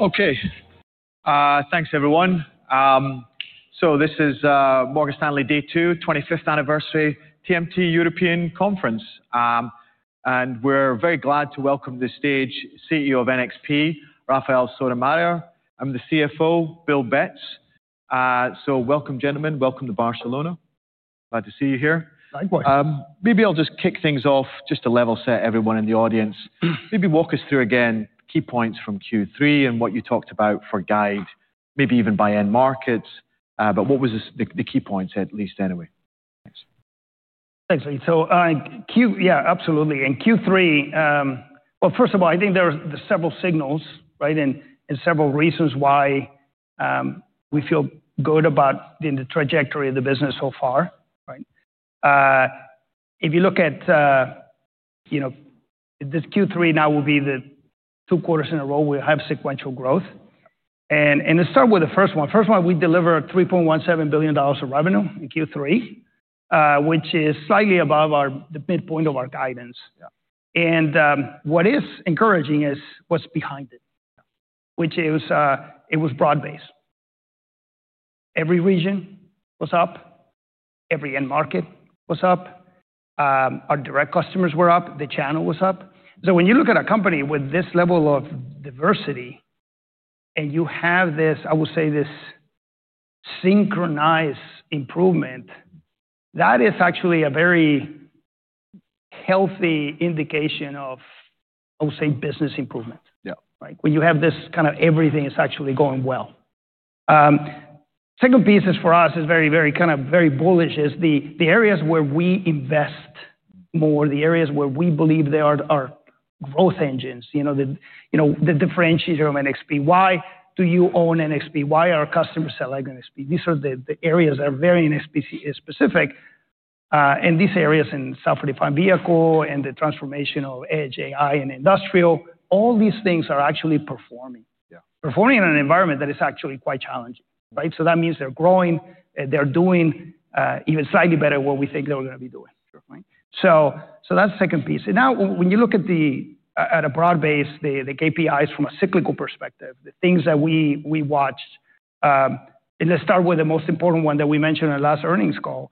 Okay. Thanks, everyone. This is Morgan Stanley, day two, 25th anniversary, TMT European Conference. We are very glad to welcome to the stage CEO of NXP, Rafael Sotomayor. I'm the CFO, Bill Betz. Welcome, gentlemen. Welcome to Barcelona. Glad to see you here. Likewise. Maybe I'll just kick things off, just to level set everyone in the audience. Maybe walk us through, again, key points from Q3 and what you talked about for guide, maybe even by end markets. What was the key points, at least, anyway? Thanks. Thanks, Bill. Q, yeah, absolutely. In Q3, first of all, I think there are several signals, right, and several reasons why we feel good about the trajectory of the business so far, right? If you look at, you know, this Q3 now will be two quarters in a row we have sequential growth. Let's start with the first one. First one, we delivered $3.17 billion of revenue in Q3, which is slightly above the midpoint of our guidance. What is encouraging is what's behind it, which is, it was broad based. Every region was up. Every end market was up. Our direct customers were up. The channel was up. When you look at a company with this level of diversity and you have this, I would say, this synchronized improvement, that is actually a very healthy indication of, I would say, business improvement when you have this kind of everything is actually going well. Second piece is for us is very, very kind of very bullish is the, the areas where we invest more, the areas where we believe they are our growth engines, you know, the, you know, the differentiator of NXP. Why do you own NXP? Why are our customers selecting NXP? These are the, the areas that are very NXP specific. And these areas in self-refined vehicle and the transformation of edge, AI, and industrial, all these things are actually performing in an environment that is actually quite challenging, right? That means they're growing, they're doing, even slightly better what we think they were gonna be doing. So, that's the second piece. Now, when you look at a broad base, the KPIs from a cyclical perspective, the things that we watched, and let's start with the most important one that we mentioned in the last earnings call.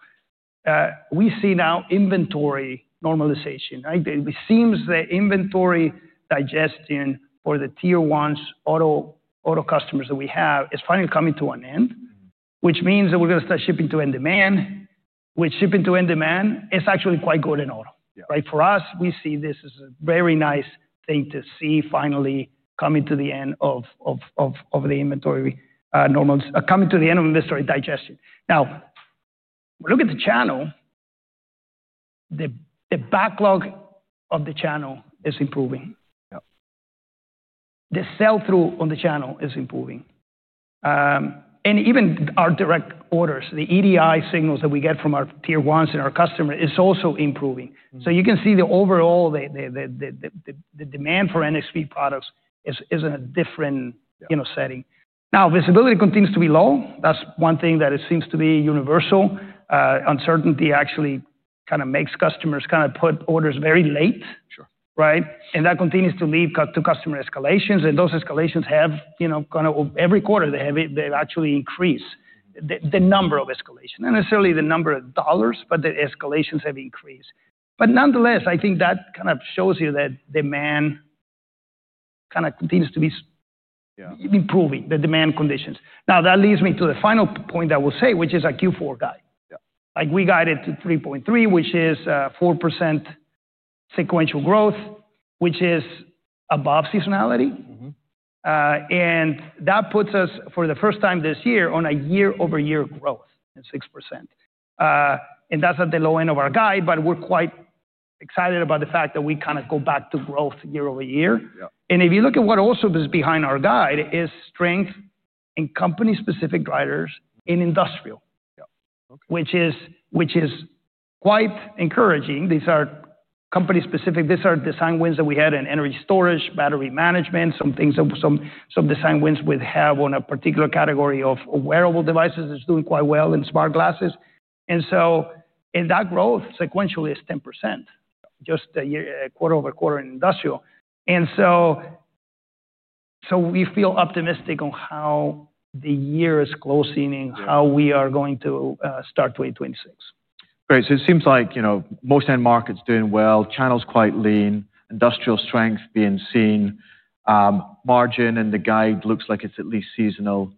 We see now inventory normalization, right? It seems that inventory digestion for the tier one auto customers that we have is finally coming to an end, which means that we're gonna start shipping to end demand. With shipping to end demand, it's actually quite good in auto, right? For us, we see this as a very nice thing to see finally coming to the end of the inventory, coming to the end of inventory digestion. Now, we look at the channel, the backlog of the channel is improving. The sell-through on the channel is improving, and even our direct orders, the EDI signals that we get from our tier ones and our customers, is also improving. You can see overall, the demand for NXP products is in a different, you know, setting. Now, visibility continues to be low. That is one thing that seems to be universal. Uncertainty actually kind of makes customers kind of put orders very late and that continues to lead to customer escalations. Those escalations have, you know, kind of every quarter, they've actually increased the number of escalations, not necessarily the number of dollars, but the escalations have increased. Nonetheless, I think that kind of shows you that demand kind of continues to be improving, the demand conditions. Now, that leads me to the final point I will say, which is a Q4 guide. Yeah. Like we guided to $3.3 billion, which is 4% sequential growth, which is above seasonality and that puts us for the first time this year on a year-over-year growth and 6%. That is at the low end of our guide, but we're quite excited about the fact that we kind of go back to growth year over year. If you look at what also is behind our guide is strength in company-specific drivers in industrial which is quite encouraging. These are company-specific. These are design wins that we had in energy storage, battery management, some design wins we have on a particular category of wearable devices is doing quite well in smart glasses. That growth sequentially is 10% just a year, a quarter over quarter in industrial. We feel optimistic on how the year is closing and how we are going to start 2026. Great. It seems like, you know, most end markets doing well, channels quite lean, industrial strength being seen. Margin and the guide looks like it's at least seasonal.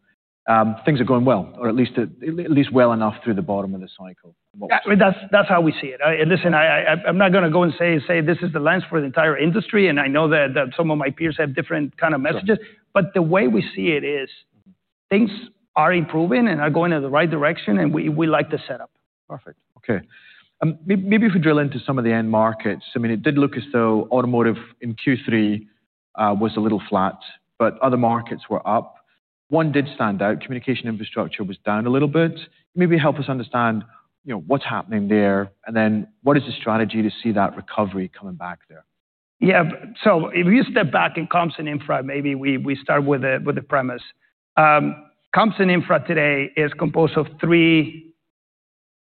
Things are going well, or at least, at least well enough through the bottom of the cycle. Yeah. I mean, that's how we see it. Listen, I'm not gonna go and say this is the lens for the entire industry. I know that some of my peers have different kind of messages, but the way we see it is things are improving and are going in the right direction. We like the setup. Perfect. Okay. Maybe if we drill into some of the end markets. I mean, it did look as though automotive in Q3 was a little flat, but other markets were up. One did stand out. Communication infrastructure was down a little bit. Maybe help us understand, you know, what's happening there. And then what is the strategy to see that recovery coming back there? Yeah. If you step back in Compson Infra, maybe we start with a premise. Compson Infra today is composed of three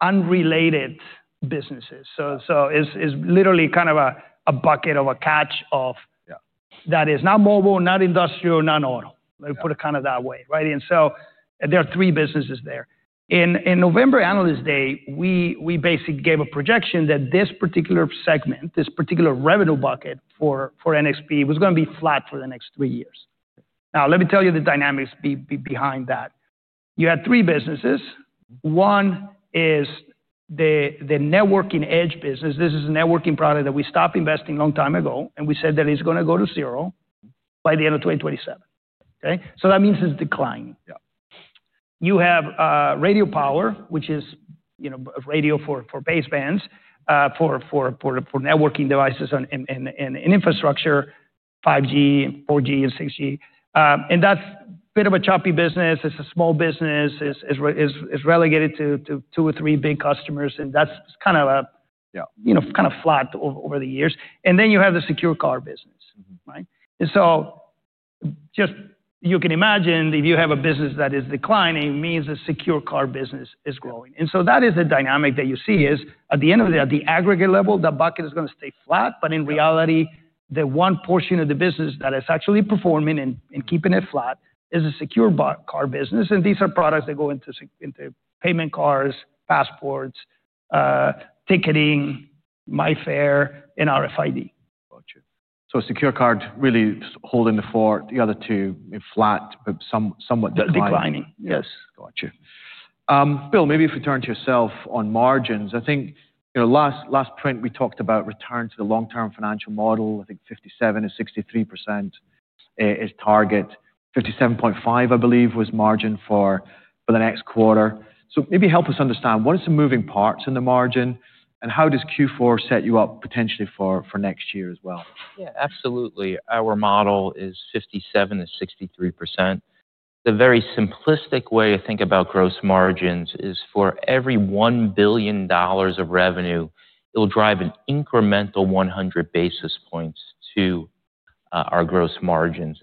unrelated businesses. It's literally kind of a bucket of a catch of that is not mobile, not industrial, not auto Let me put it kind of that way, right? There are three businesses there. In November Analyst Day, we basically gave a projection that this particular segment, this particular revenue bucket for NXP was gonna be flat for the next three years. Now, let me tell you the dynamics behind that. You had three businesses. One is the networking edge business. This is a networking product that we stopped investing in a long time ago. We said that it's gonna go to zero by the end of 2027. Okay? That means it's declining. You have radio power, which is, you know, radio for basebands, for networking devices in infrastructure, 5G, 4G, and 6G. That is a bit of a choppy business. It is a small business. It is relegated to two or three big customers. That is kind of it. You know, kind of flat over the years. You have the secure car business, right? Just you can imagine if you have a business that is declining, it means the secure car business is growing. That is the dynamic that you see is at the end of the day, at the aggregate level, that bucket is gonna stay flat. In reality, the one portion of the business that is actually performing and keeping it flat is the secure car business. These are products that go into payment cards, passports, ticketing, MIFARE, and RFID. Gotcha. Secure card really holding the four, the other two flat, but somewhat declining. Declining. Yes. Gotcha. Bill, maybe if we turn to yourself on margins, I think, you know, last print we talked about return to the long-term financial model, I think 57%-63% is target. 57.5%, I believe, was margin for the next quarter. Maybe help us understand what are some moving parts in the margin and how does Q4 set you up potentially for next year as well? Yeah, absolutely. Our model is 57%-63%. The very simplistic way to think about gross margins is for every $1 billion of revenue, it'll drive an incremental 100 basis points to our gross margins.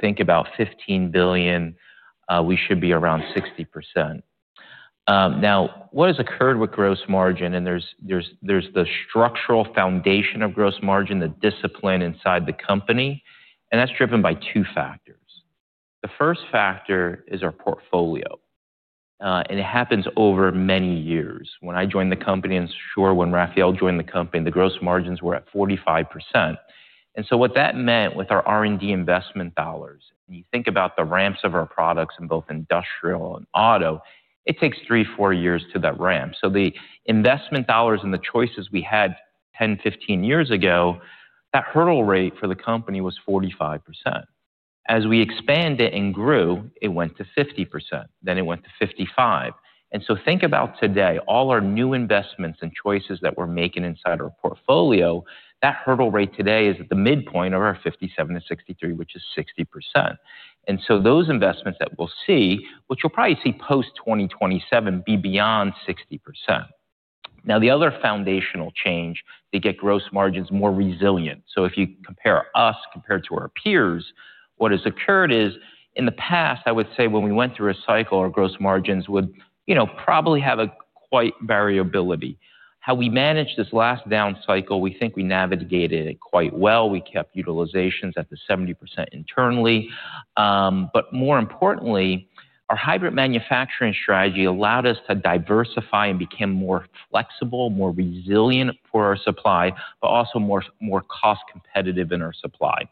Think about $15 billion, we should be around 60%. Now what has occurred with gross margin, there's the structural foundation of gross margin, the discipline inside the company. That's driven by two factors. The first factor is our portfolio, and it happens over many years. When I joined the company, and sure, when Rafael joined the company, the gross margins were at 45%. What that meant with our R&D investment dollars, and you think about the ramps of our products in both industrial and auto, it takes three, four years to that ramp. The investment dollars and the choices we had 10, 15 years ago, that hurdle rate for the company was 45%. As we expanded and grew, it went to 50%. Then it went to 55%. Think about today, all our new investments and choices that we're making inside our portfolio, that hurdle rate today is at the midpoint of our 57%-63%, which is 60%. Those investments that we'll see, which you'll probably see post 2027, be beyond 60%. The other foundational change, they get gross margins more resilient. If you compare us compared to our peers, what has occurred is in the past, I would say when we went through a cycle, our gross margins would, you know, probably have quite variability. How we managed this last down cycle, we think we navigated it quite well. We kept utilizations at the 70% internally. More importantly, our hybrid manufacturing strategy allowed us to diversify and become more flexible, more resilient for our supply, but also more cost competitive in our supply.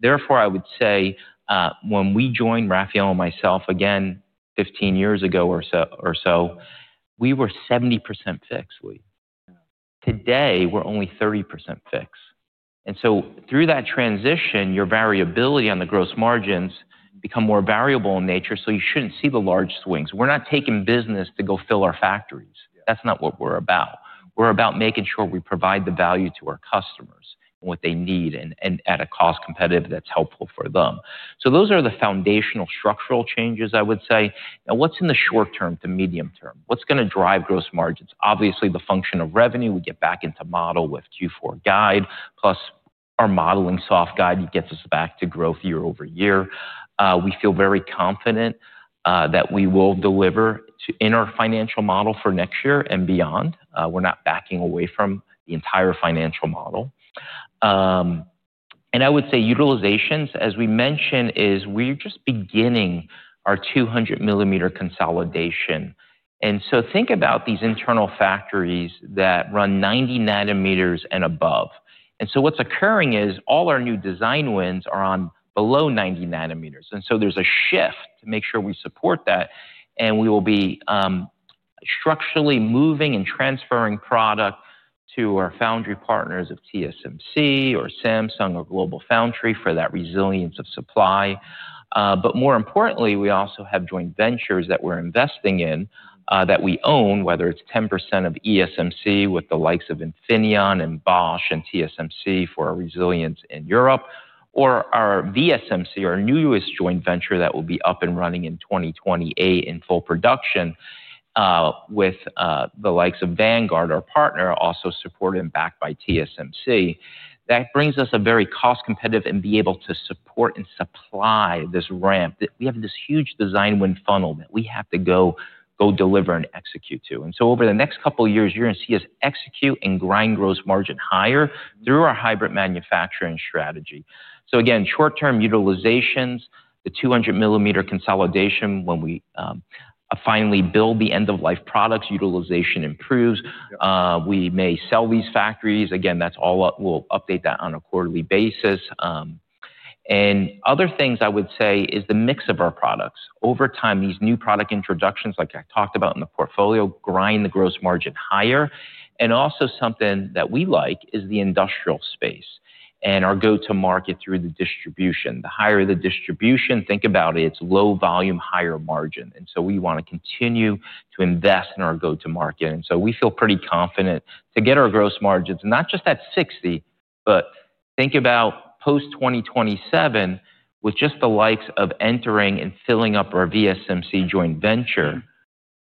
Therefore, I would say, when we joined, Rafael and myself, again, 15 years ago or so, we were 70% fixed. Today, we're only 30% fixed. Through that transition, your variability on the gross margins becomes more variable in nature. You shouldn't see the large swings. We're not taking business to go fill our factories. That's not what we're about. We're about making sure we provide the value to our customers and what they need and at a cost competitive that's helpful for them. Those are the foundational structural changes, I would say. Now, what's in the short term to medium term? What's gonna drive gross margins? Obviously, the function of revenue. We get back into model with Q4 guide plus our modeling soft guide. It gets us back to growth year over year. We feel very confident that we will deliver to in our financial model for next year and beyond. We're not backing away from the entire financial model. I would say utilizations, as we mentioned, is we're just beginning our 200 mm consolidation. Think about these internal factories that run 90 nm and above. What's occurring is all our new design wins are on below 90 nm. There is a shift to make sure we support that. We will be structurally moving and transferring product to our foundry partners of TSMC or Samsung or GlobalFoundries for that resilience of supply. More importantly, we also have joint ventures that we're investing in, that we own, whether it's 10% of ESMC with the likes of Infineon and Bosch and TSMC for our resilience in Europe, or our VSMC, our newest joint venture that will be up and running in 2028 in full production, with the likes of Vanguard, our partner, also supported and backed by TSMC. That brings us a very cost competitive and be able to support and supply this ramp that we have, this huge design win funnel that we have to go deliver and execute to. Over the next couple of years, you're gonna see us execute and grind gross margin higher through our hybrid manufacturing strategy. Again, short-term utilizations, the 200 mm consolidation, when we finally build the end-of-life products, utilization improves. We may sell these factories. Again, that's all up. We'll update that on a quarterly basis. Another thing I would say is the mix of our products over time. These new product introductions, like I talked about in the portfolio, grind the gross margin higher. Also, something that we like is the industrial space and our go-to-market through the distribution. The higher the distribution, think about it, it's low volume, higher margin. We want to continue to invest in our go-to-market. We feel pretty confident to get our gross margins not just at 60%, but think about post 2027 with just the likes of entering and filling up our VSMC joint venture.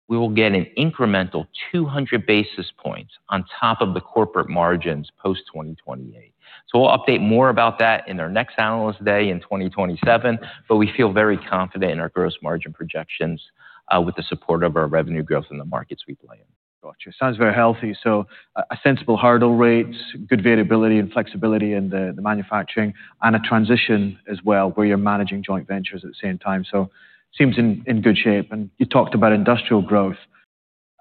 We will get an incremental 200 basis points on top of the corporate margins post 2028. We will update more about that in our next analyst day in 2027. We feel very confident in our gross margin projections, with the support of our revenue growth in the markets we play in. Gotcha. Sounds very healthy. A sensible hurdle rates, good variability and flexibility in the manufacturing and a transition as well where you're managing joint ventures at the same time. Seems in good shape. You talked about industrial growth.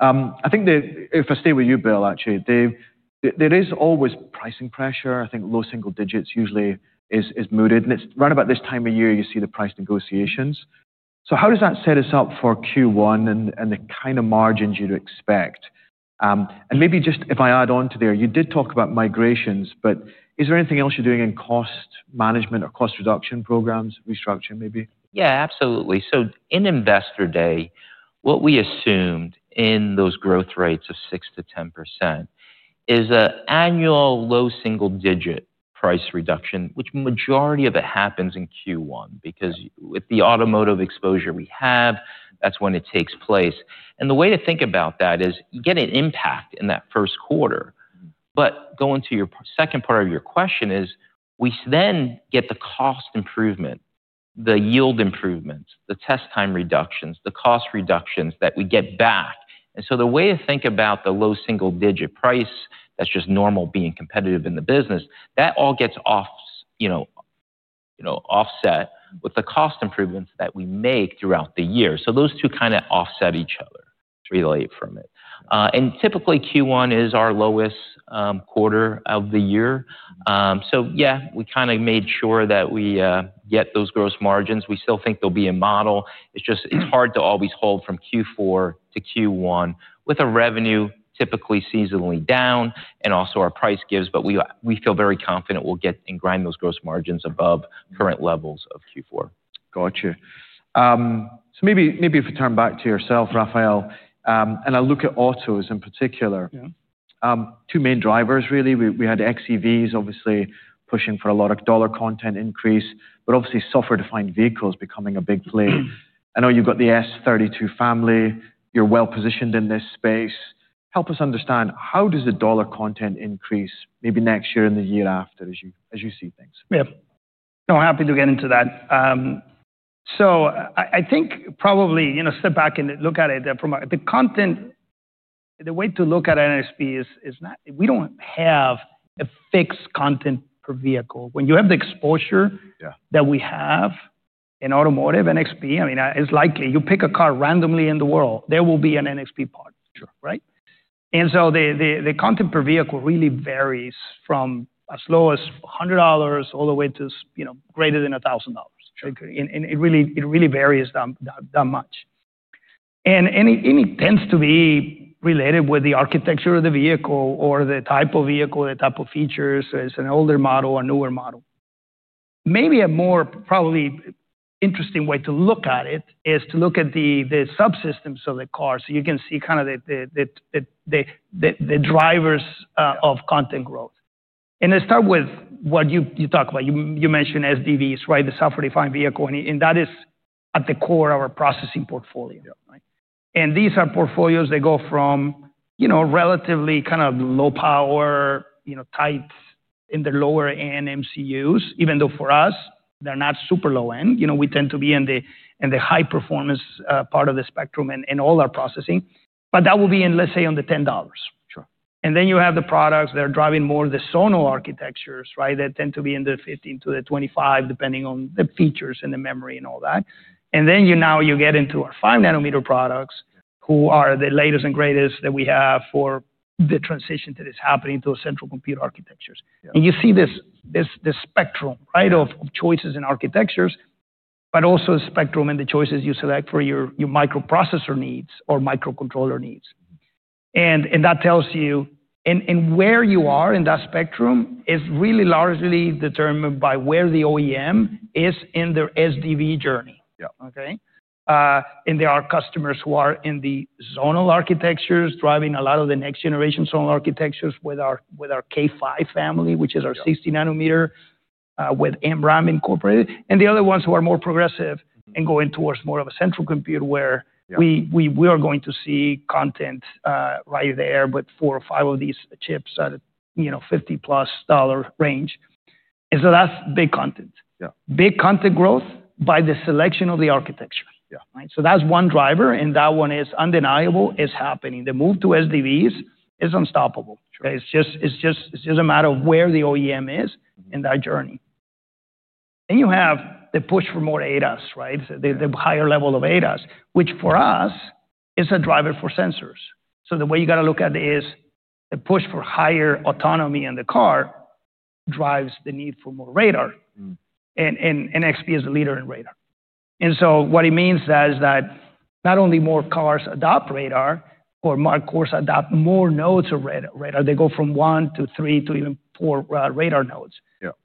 I think if I stay with you, Bill, actually, there is always pricing pressure. I think low single digits usually is mooted. It is right about this time of year, you see the price negotiations. How does that set us up for Q1 and the kind of margins you'd expect? Maybe just if I add on to there, you did talk about migrations, but is there anything else you're doing in cost management or cost reduction programs, restructuring maybe? Yeah, absolutely. In investor day, what we assumed in those growth rates of 6%-10% is an annual low single digit price reduction, which majority of it happens in Q1 because with the automotive exposure we have, that's when it takes place. The way to think about that is you get an impact in that first quarter. Going to your second part of your question, we then get the cost improvement, the yield improvements, the test time reductions, the cost reductions that we get back. The way to think about the low single digit price, that's just normal being competitive in the business, that all gets, you know, offset with the cost improvements that we make throughout the year. Those two kind of offset each other related from it. Typically, Q1 is our lowest quarter of the year. We kind of made sure that we get those gross margins. We still think there'll be a model. It's just, it's hard to always hold from Q4 to Q1 with revenue typically seasonally down and also our price gives. We feel very confident we'll get and grind those gross margins above current levels of Q4. Gotcha. Maybe, maybe if we turn back to yourself, Rafael, and I look at autos in particular two main drivers really. We had XEVs obviously pushing for a lot of dollar content increase, but obviously software-defined vehicles becoming a big play. I know you've got the S32 family. You're well positioned in this space. Help us understand how does the dollar content increase maybe next year and the year after as you, as you see things? Yeah. No, happy to get into that. I think probably, you know, step back and look at it from the content, the way to look at NXP is, is not we do not have a fixed content per vehicle. When you have the exposure that we have in automotive NXP, I mean, it's likely you pick a car randomly in the world, there will be an NXP part. Sure, right? The content per vehicle really varies from as low as $100 all the way to, you know, greater than $1,000. Sure. It really varies that much. It tends to be related with the architecture of the vehicle or the type of vehicle, the type of features. So it is an older model or newer model. Maybe a more probably interesting way to look at it is to look at the subsystems of the car so you can see kind of the drivers of content growth. I start with what you talk about. You mentioned SDVs, right? The software-defined vehicle. That is at the core of our processing portfolio. and these are portfolios that go from, you know, relatively kind of low power, you know, types in the lower end MCUs, even though for us they're not super low end. You know, we tend to be in the, in the high performance, part of the spectrum and, and all our processing. But that will be in, let's say, on the $10. Sure. You have the products that are driving more the zonal architectures, right? That tend to be in the $15-$25, depending on the features and the memory and all that. Now you get into our five nanometer products, which are the latest and greatest that we have for the transition that is happening to central computer architectures. You see this spectrum, right, of choices and architectures, but also a spectrum in the choices you select for your microprocessor needs or microcontroller needs. Where you are in that spectrum is really largely determined by where the OEM is in their SDV journey. Yeah, okay? There are customers who are in the zonal architectures driving a lot of the next generation zonal architectures with our K5 family, which is our 60 nm, with Arm incorporated. The other ones who are more progressive and going towards more of a central computer where we are going to see content right there, but four or five of these chips at, you know, $50+ range. And so that's big content big content growth by the selection of the architecture. That is one driver. That one is undeniable, it is happening. The move to SDVs is unstoppable. It's just a matter of where the OEM is In that journey. You have the push for more ADAS, right? The higher level of ADAS, which for us is a driver for sensors. The way you gotta look at it is the push for higher autonomy in the car drives the need for more radar and NXP is the leader in radar. What it means is that not only do more cars adopt radar, but more cars adopt more nodes of radar. They go from one to three to even four radar nodes.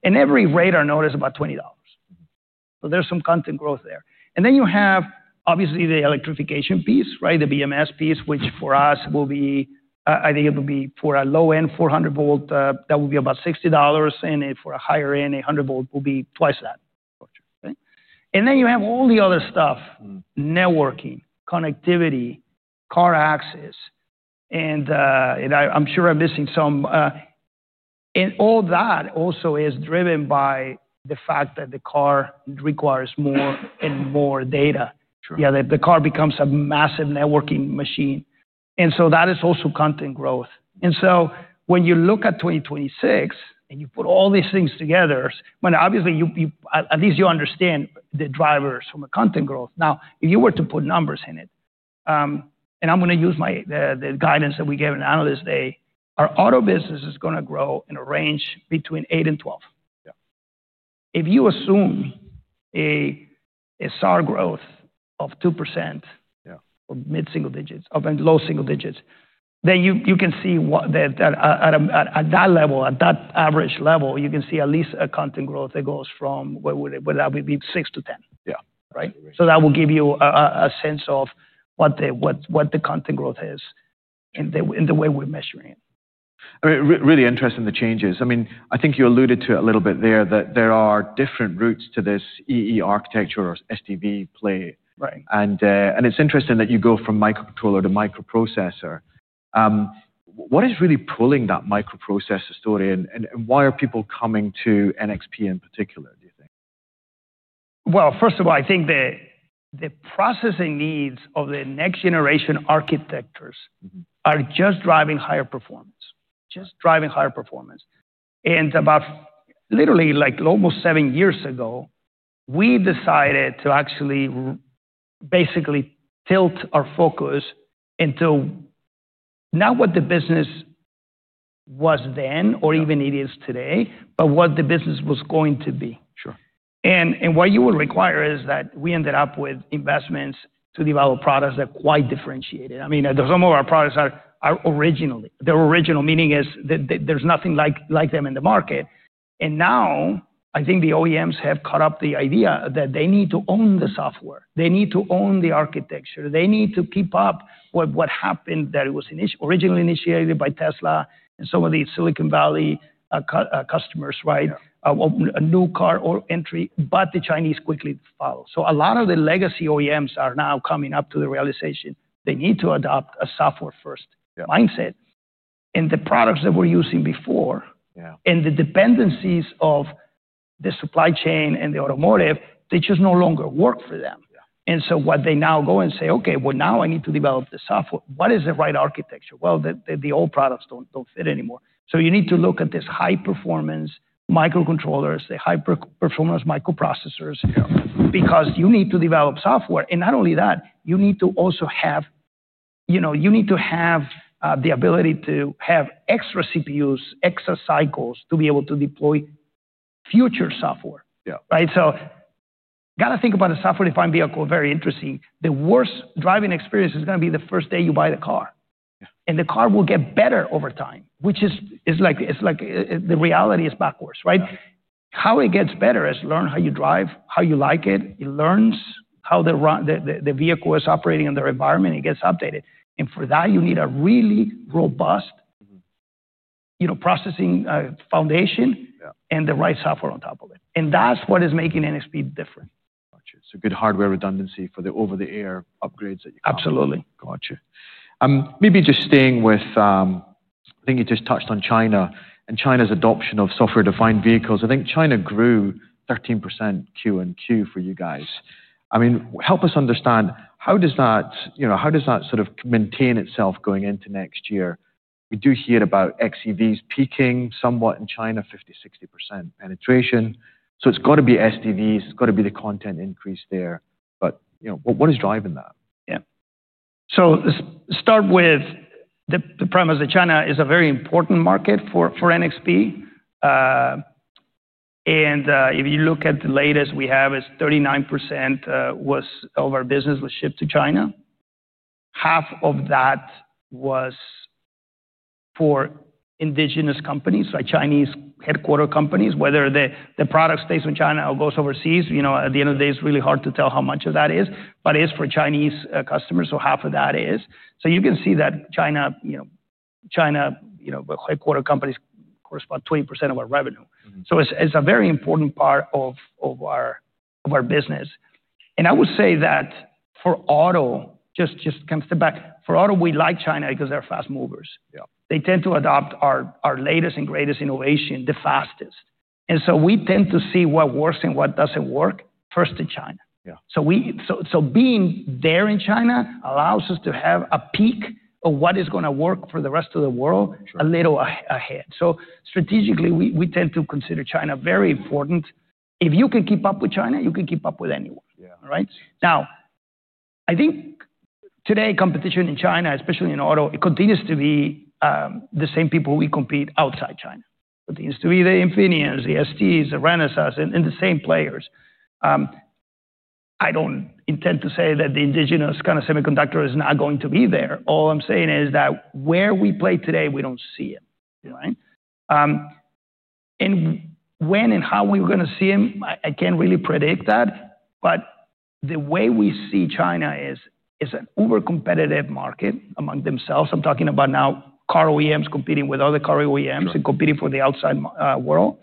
Every radar node is about $20. There's some content growth there. You have obviously the electrification piece, right? The BMS piece, which for us will be, I think it'll be for a low end 400 volt, that will be about $60. For a higher end, 800 volt will be twice that You have all the other stuff, networking, connectivity, car access. I am sure I am missing some, and all that also is driven by the fact that the car requires more and more data. Sure. The car becomes a massive networking machine. That is also content growth. When you look at 2026 and you put all these things together, obviously you at least understand the drivers from a content growth. Now, if you were to put numbers in it, and I'm gonna use the guidance that we gave in analyst day, our auto business is gonna grow in a range between 8% and 12%. If you assume a SAR growth of 2% or mid single digits or low single digits, then you can see what that, at that level, at that average level, you can see at least a content growth that goes from where that would be 6%-10%. That will give you a sense of what the content growth is in the way we're measuring it. I mean, really interesting the changes. I mean, I think you alluded to it a little bit there that there are different routes to this EE architecture or SDV play. It's interesting that you go from microcontroller to microprocessor. What is really pulling that microprocessor story and why are people coming to NXP in particular, do you think? First of all, I think the processing needs of the next generation architectures Are just driving higher performance, just driving higher performance. About literally like almost seven years ago, we decided to actually basically tilt our focus into not what the business was then or even it is today, but what the business was going to be. What you would require is that we ended up with investments to develop products that are quite differentiated. I mean, some of our products, their original meaning is that there is nothing like them in the market. I think the OEMs have caught up to the idea that they need to own the software, they need to own the architecture, they need to keep up with what happened that was originally initiated by Tesla and some of the Silicon Valley customers, right? Yeah.A new car or entry, but the Chinese quickly follow. A lot of the legacy OEMs are now coming up to the realization they need to adopt a software-first mindset. The products that we're using before the dependencies of the supply chain and the automotive, they just no longer work for them. What they now go and say, okay, now I need to develop the software. What is the right architecture? The old products do not fit anymore. You need to look at these high performance microcontrollers, the high performance microprocessors because you need to develop software. You need to also have, you know, you need to have the ability to have extra CPUs, extra cycles to be able to deploy future software. Gotta think about the software-defined vehicle. Very interesting. The worst driving experience is gonna be the first day you buy the car. The car will get better over time, which is, is like, it's like, the reality is backwards, right? How it gets better is learn how you drive, how you like it. It learns how the vehicle is operating in their environment. It gets updated. For that, you need a really robust, you know, processing, foundation and the right software on top of it. That is what is making NXP different. Gotcha. So good hardware redundancy for the over-the-air upgrades that you're calling. Absolutely. Gotcha. Maybe just staying with, I think you just touched on China and China's adoption of software-defined vehicles. I think China grew 13% Q-on-Q for you guys. I mean, help us understand how does that, you know, how does that sort of maintain itself going into next year? We do hear about XEVs peaking somewhat in China, 50%-60% penetration. It has got to be SDVs, it has got to be the content increase there. But, you know, what is driving that? Yeah. Start with the premise that China is a very important market for NXP. If you look at the latest, we have is 39% of our business was shipped to China. Half of that was for indigenous companies, like Chinese headquarter companies, whether the product stays in China or goes overseas. You know, at the end of the day, it's really hard to tell how much of that is, but it is for Chinese customers. So half of that is. You can see that China, you know, China headquarter companies correspond to 20% of our revenue. It's a very important part of our business. I would say that for auto, just kind of step back. For auto, we like China because they're fast movers. They tend to adopt our latest and greatest innovation the fastest. We tend to see what works and what does not work first in China. So being there in China allows us to have a peek of what is gonna work for the rest of the world a little ahead. Strategically, we tend to consider China very important. If you can keep up with China, you can keep up with anyone. Rght? Now, I think today competition in China, especially in auto, it continues to be the same people we compete outside China. It continues to be the Infineons, the STs, the Renesas, and the same players. I do not intend to say that the indigenous kind of semiconductor is not going to be there. All I am saying is that where we play today, we do not see it, right? When and how we were gonna see 'em, I can't really predict that. The way we see China is, is an over-competitive market among themselves. I'm talking about now car OEMs competing with other car OEMs competing for the outside world.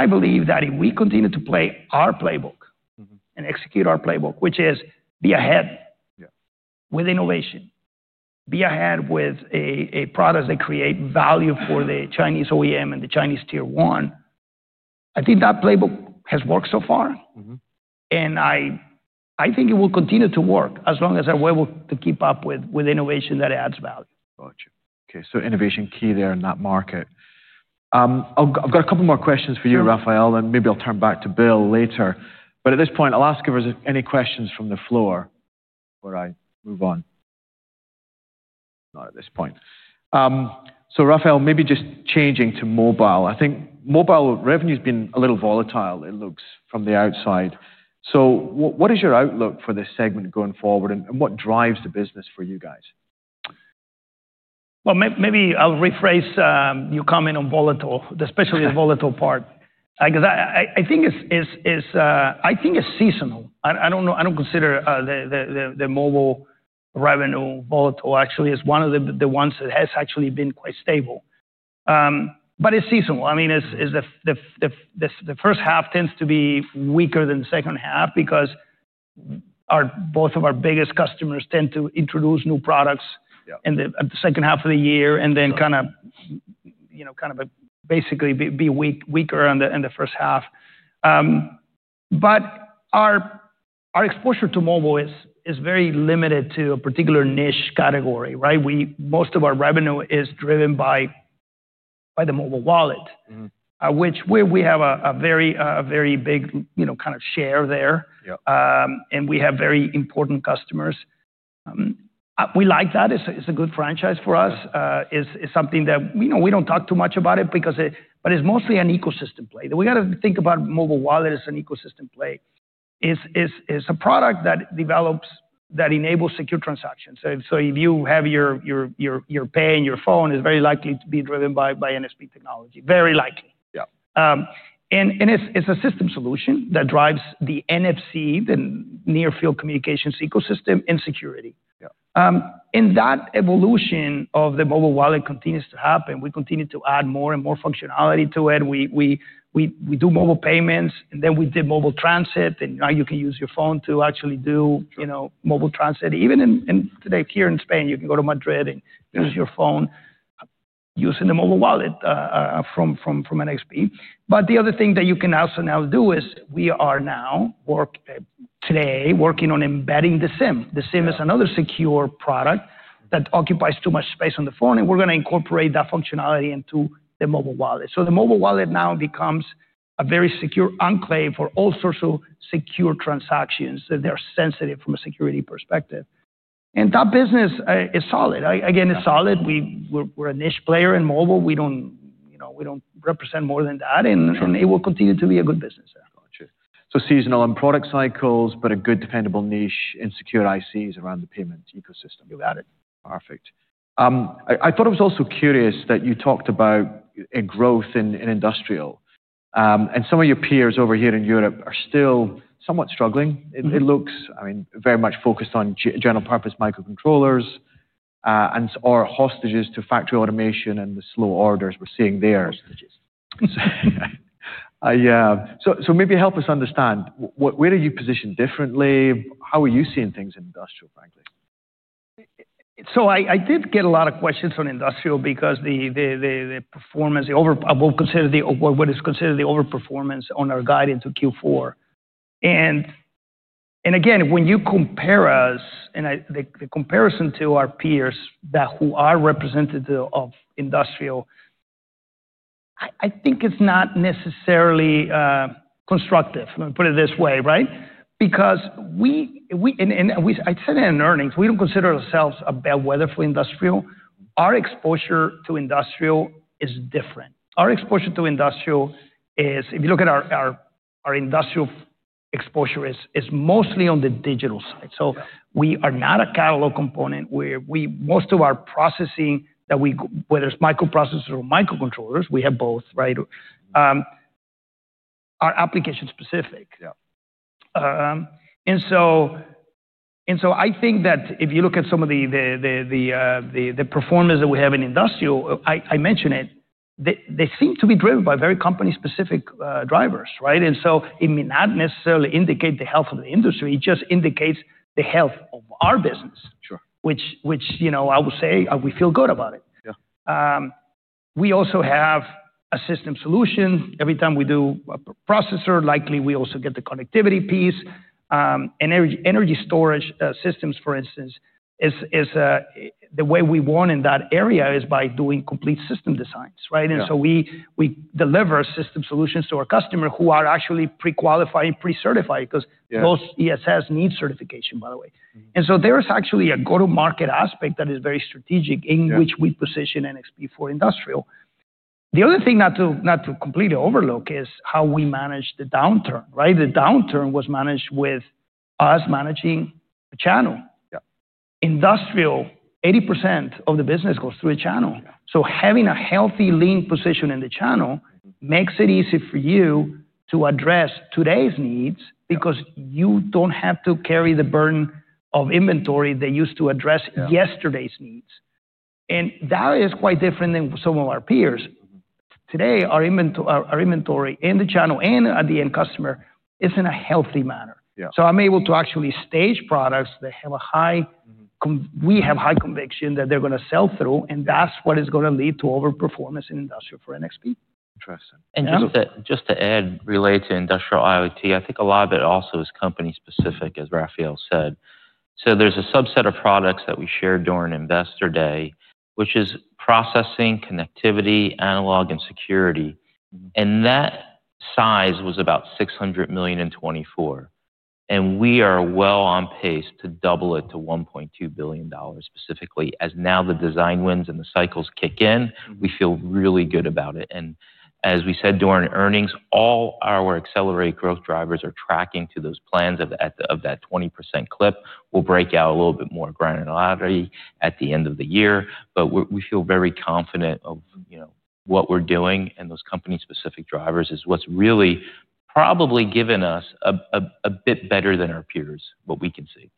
I believe that if we continue to play our playbook and execute our playbook, which is be ahead with innovation, be ahead with a product that create value for the Chinese OEM and the Chinese tier one, I think that playbook has worked so far. I think it will continue to work as long as our will to keep up with innovation that adds value. Gotcha. Okay. Innovation key there in that market. I'll, I've got a couple more questions for you, Rafael, and maybe I'll turn back to Bill later. At this point, I'll ask if there's any questions from the floor before I move on. Not at this point. Rafael, maybe just changing to mobile. I think mobile revenue's been a little volatile, it looks from the outside. What is your outlook for this segment going forward and what drives the business for you guys? Maybe I'll rephrase your comment on volatile, especially the volatile part because I think it's seasonal. I don't know, I don't consider the mobile revenue volatile. Actually, it is one of the ones that has actually been quite stable, but it's seasonal. I mean, the first half tends to be weaker than the second half because both of our biggest customers tend to introduce new products. In the second half of the year and then kind of, you know, basically be weaker in the first half. Our exposure to mobile is very limited to a particular niche category, right? Most of our revenue is driven by the mobile wallet which we have a very, a very big, you know, kind of share there and we have very important customers. We like that. It's a good franchise for us. It's something that, you know, we don't talk too much about because it, but it's mostly an ecosystem play. We gotta think about mobile wallet as an ecosystem play. It's a product that develops, that enables secure transactions. If you have your pay and your phone, it's very likely to be driven by NXP technology. Very likely and it's a system solution that drives the NFC, the near field communications ecosystem and security. That evolution of the mobile wallet continues to happen. We continue to add more and more functionality to it. We do mobile payments and then we did mobile transit and now you can use your phone to actually do, you know, mobile transit. Even today here in Spain, you can go to Madrid and use your phone using the mobile wallet from NXP. The other thing that you can also now do is we are now today working on embedding the SIM. The SIM is another secure product that occupies too much space on the phone and we're gonna incorporate that functionality into the mobile wallet. The mobile wallet now becomes a very secure enclave for all sorts of secure transactions that are sensitive from a security perspective. That business is solid. I, again, it's solid. We are a niche player in mobile. We do not represent more than that. It will continue to be a good business. Gotcha. Seasonal and product cycles, but a good dependable niche and secure ICs around the payment ecosystem. You got it. Perfect. I thought I was also curious that you talked about a growth in industrial. Some of your peers over here in Europe are still somewhat struggling. It looks, I mean, very much focused on general purpose microcontrollers, and are hostages to factory automation and the slow orders we're seeing there. So maybe help us understand what, where are you positioned differently? How are you seeing things in industrial, frankly? I did get a lot of questions on industrial because the performance, what is considered the overperformance on our guide into Q4. Again, when you compare us and the comparison to our peers that are representative of industrial, I think it's not necessarily constructive. Let me put it this way, right? We, and I said it in earnings, we don't consider ourselves a bellwether for industrial. Our exposure to industrial is different. Our exposure to industrial is, if you look at our industrial exposure, is mostly on the digital side. We are not a catalog component where we, most of our processing that we, whether it's microprocessors or microcontrollers, we have both, `ight, are application specific. I think that if you look at some of the performance that we have in industrial, I mentioned it, they seem to be driven by very company specific drivers, right? It may not necessarily indicate the health of the industry. It just indicates the health of our business, which, you know, I would say, we feel good about it. We also have a system solution. Every time we do a processor, likely we also get the connectivity piece. And energy, energy storage systems, for instance, is the way we won in that area is by doing complete system designs, right? Yeah. We deliver system solutions to our customer who are actually pre-qualified and pre-certified because most ESS need certification, by the way There is actually a go-to-market aspect that is very strategic in which we position NXP for industrial. The other thing, not to completely overlook, is how we manage the downturn, right? The downturn was managed with us managing the channel. Industrial, 80% of the business goes through a channel, so having a healthy lean position in the channel makes it easy for you to address today's needs because you do not have to carry the burden of inventory that used to address yesterday's needs. That is quite different than some of our peers. Today, our inventory in the channel and at the end customer is in a healthy manner. I'm able to actually stage products that have a high. We have high conviction that they're gonna sell through. That's what is gonna lead to overperformance in industrial for NXP. Interesting. Just to add related to industrial IoT, I think a lot of it also is company specific, as Rafael said. So there's a subset of products that we shared during investor day, which is processing, connectivity, analog, and security. That size was about $600 million in 2024. We are well on pace to double it to $1.2 billion specifically as now the design wins and the cycles kick in., we feel really good about it. As we said during earnings, all our accelerated growth drivers are tracking to those plans, at that 20% clip. We will break out a little bit more granularity at the end of the year. We feel very confident of, you know, what we're doing, and those company specific drivers are what's really probably given us a bit better than our peers, what we can see,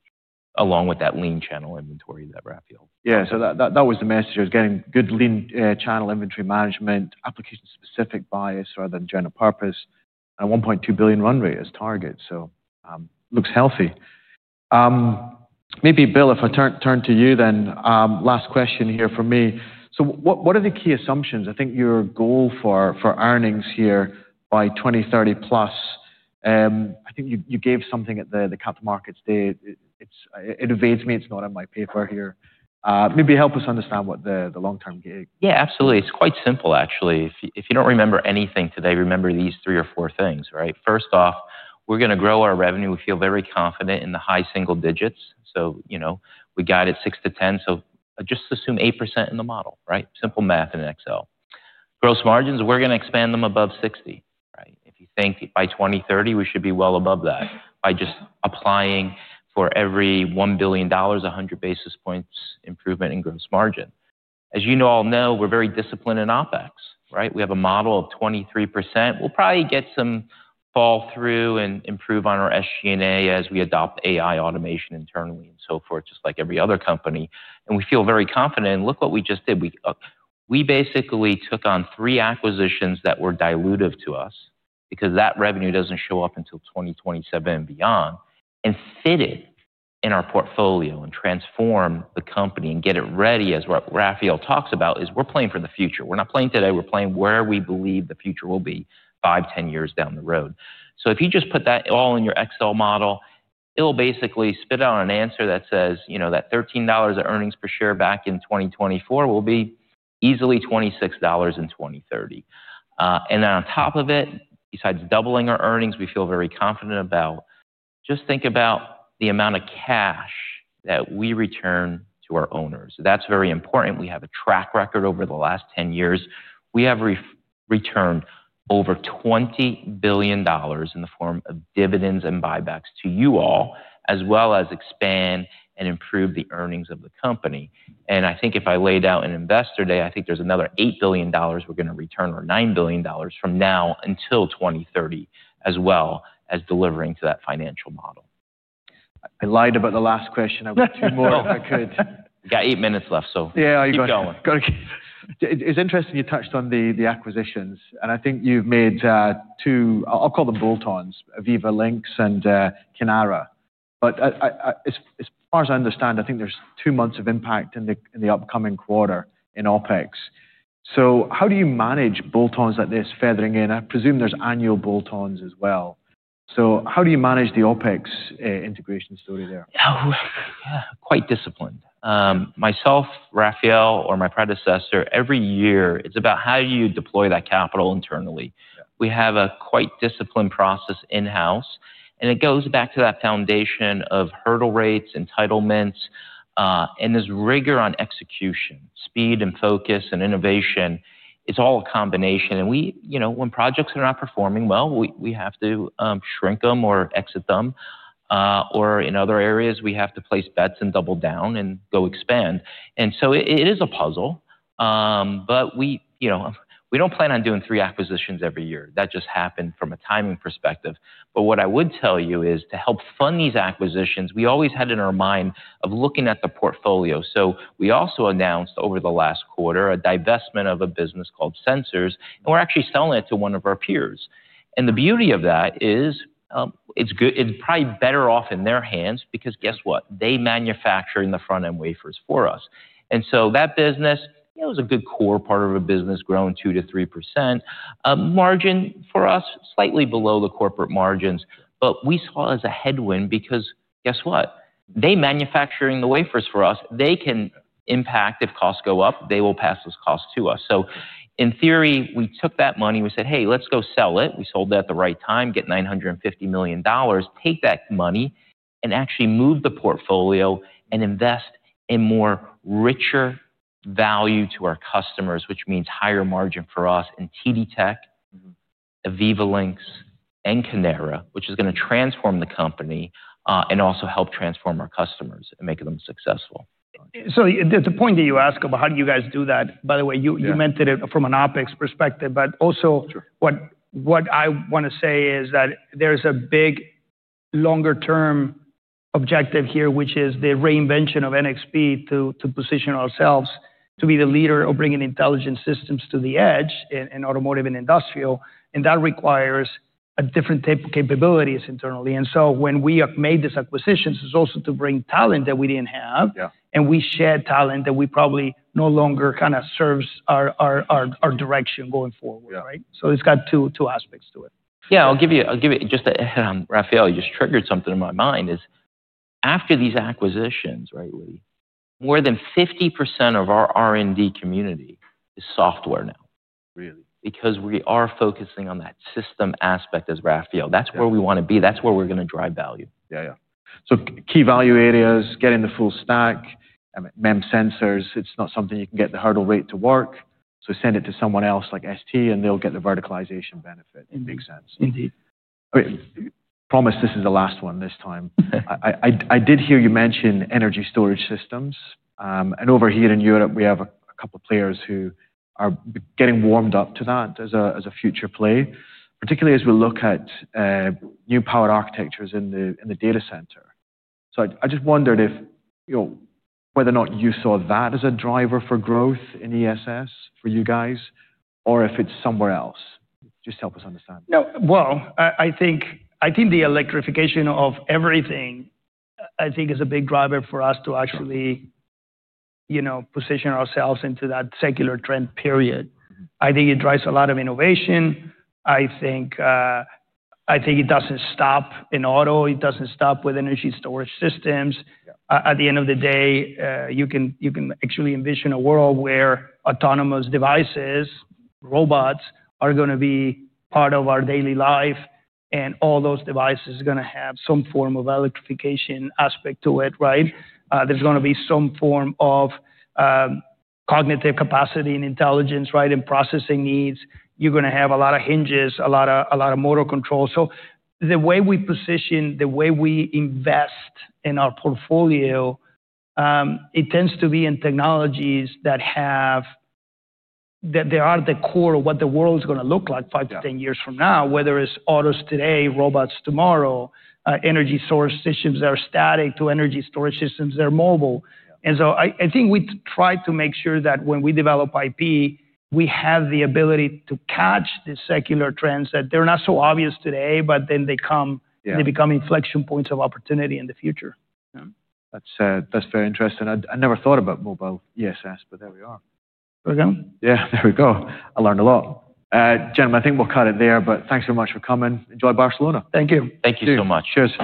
along with that lean channel inventory that Rafael. Yeah. That was the message. I was getting good lean, channel inventory management, application specific bias rather than general purpose. And a $1.2 billion run rate is target. Looks healthy. Maybe Bill, if I turn to you then, last question here for me. What are the key assumptions? I think your goal for earnings here by 2030+, I think you gave something at the Capital Markets Day. It evades me. It's not on my paper here. Maybe help us understand what the long-term gain. Yeah, absolutely. It is quite simple actually. If you, if you do not remember anything today, remember these three or four things, right? First off, we are gonna grow our revenue. We feel very confident in the high single digits. So, you know, we guide at 6%-10%. Just assume 8% in the model, right? Simple math in Excel. Gross margins, we are gonna expand them above 60%, right? If you think by 2030, we should be well above that by just applying for every $1 billion, 100 basis points improvement in gross margin. As you all know, we are very disciplined in OpEx, right? We have a model of 23%. We will probably get some fall through and improve on our SG&A as we adopt AI automation internally and so forth, just like every other company. We feel very confident. Look what we just did. We basically took on three acquisitions that were dilutive to us because that revenue does not show up until 2027 and beyond and fit it in our portfolio and transform the company and get it ready as what Rafael talks about is we are playing for the future. We are not playing today. We are playing where we believe the future will be 5, 10 years down the road. If you just put that all in your Excel model, it will basically spit out an answer that says, you know, that $13 of earnings per share back in 2024 will be easily $26 in 2030. On top of it, besides doubling our earnings, we feel very confident about just think about the amount of cash that we return to our owners. That is very important. We have a track record over the last 10 years. We have returned over $20 billion in the form of dividends and buybacks to you all, as well as expand and improve the earnings of the company. I think if I laid out an investor day, I think there's another $8 billion we're gonna return or $9 billion from now until 2030 as well as delivering to that financial model. I lied about the last question. I've got two more if I could. Yeah. Got eight minutes left, so keep going. Yeah. You gotta keep, keep going. It's interesting you touched on the acquisitions. I think you've made two, I'll call them bolt-ons, Viva Links and Canara. I, as far as I understand, I think there's two months of impact in the upcoming quarter in OpEx. How do you manage bolt-ons like this feathering in? I presume there's annual bolt-ons as well. How do you manage the OpEx integration story there? Oh, yeah. Quite disciplined. Myself, Rafael, or my predecessor, every year it's about how do you deploy that capital internally. We have a quite disciplined process in-house. It goes back to that foundation of hurdle rates, entitlements, and this rigor on execution, speed, focus, and innovation. It is all a combination. You know, when projects are not performing well, we have to shrink them or exit them. In other areas, we have to place bets and double down and go expand. It is a puzzle. You know, we do not plan on doing three acquisitions every year. That just happened from a timing perspective. What I would tell you is to help fund these acquisitions, we always had in our mind of looking at the portfolio. We also announced over the last quarter a divestment of a business called Sensors. We are actually selling it to one of our peers. The beauty of that is, it's good, it's probably better off in their hands because guess what? They manufacture the front-end wafers for us. That business is a good core part of a business growing 2%-3%. Margin for us is slightly below the corporate margins. We saw it as a headwind because guess what? They are manufacturing the wafers for us, they can impact if costs go up, they will pass those costs to us. In theory, we took that money. We said, "Hey, let's go sell it." We sold that at the right time, get $950 million, take that money and actually move the portfolio and invest in more richer value to our customers, which means higher margin for us and TD Tech Viva Links and Kinara, which is gonna transform the company, and also help transform our customers and make them successful. The point that you ask about how do you guys do that, by the way, you mentioned it from an OpEx perspective, but also what I wanna say is that there's a big longer-term objective here, which is the reinvention of NXP to position ourselves to be the leader of bringing intelligent systems to the edge in automotive and industrial. That requires a different type of capabilities internally. When we made this acquisition, it's also to bring talent that we didn't have and we shed talent that we probably no longer kinda serves our direction going forward, right? It's got two aspects to it. Yeah. I'll give you, I'll give you just a, Rafael, you just triggered something in my mind is after these acquisitions, right, Willie, more than 50% of our R&D community is software now because we are focusing on that system aspect as Rafael. That's where we wanna be. That's where we're gonna drive value. Yeah. Yeah. Key value areas, getting the full stack, MEMS sensors, it's not something you can get the hurdle rate to work. Send it to someone else like ST and they'll get the verticalization benefit. Indeed. It makes sense. Indeed. I promise this is the last one this time. I did hear you mention energy storage systems, and over here in Europe, we have a couple of players who are getting warmed up to that as a future play, particularly as we look at new power architectures in the data center. I just wondered if you know whether or not you saw that as a driver for growth in ESS for you guys or if it's somewhere else. Just help us understand. No. I think the electrification of everything is a big driver for us to actually, you know, position ourselves into that secular trend period. I think it drives a lot of innovation. I think it doesn't stop in auto. It doesn't stop with energy storage systems. At the end of the day, you can actually envision a world where autonomous devices, robots are gonna be part of our daily life. All those devices are gonna have some form of electrification aspect to it, right? There's gonna be some form of cognitive capacity and intelligence, right, and processing needs. You're gonna have a lot of hinges, a lot of motor control. The way we position, the way we invest in our portfolio, it tends to be in technologies that are at the core of what the world's gonna look like 5-10 years from now, whether it's autos today, robots tomorrow, energy source systems that are static to energy storage systems that are mobile. I think we try to make sure that when we develop IP, we have the ability to catch the secular trends that are not so obvious today, but then they come, they become inflection points of opportunity in the future. Yeah. That's very interesting. I never thought about mobile ESS, but there we are. We're good? Yeah. There we go. I learned a lot. Gentlemen, I think we'll cut it there, but thanks very much for coming. Enjoy Barcelona. Thank you. Thank you so much. Cheers.